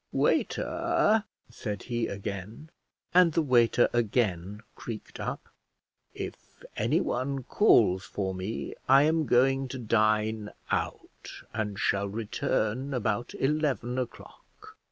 "Waiter," said he again, and the waiter again creaked up. "If anyone calls for me, I am going to dine out, and shall return about eleven o'clock."